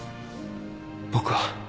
僕は